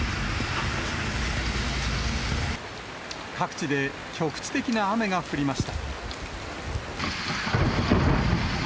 各地で局地的な雨が降りました。